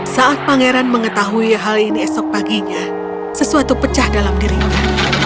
saat pangeran mengetahui hal ini esok paginya sesuatu pecah dalam dirinya